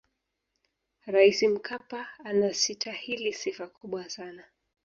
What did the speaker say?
raisi mkapa anasitahili sifa kubwa sana